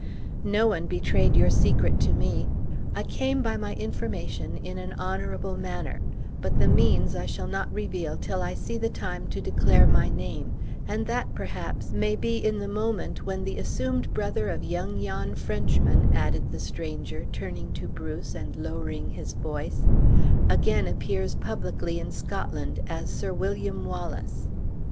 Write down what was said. "No one betrayed your secret to me. I came by my information in an honorable manner, but the means I shall not reveal till I see the time to declare my name, and that, perhaps, may be in the moment when the assumed brother of yon young Frenchman," added the stranger, turning to Bruce, and lowering his voice, "again appears publicly in Scotland, as Sir William Wallace."